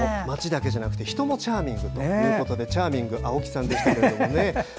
街だけじゃなくて人もチャーミングということでチャーミング青木さんということでね。